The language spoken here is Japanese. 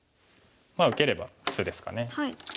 受ければ普通ですかね。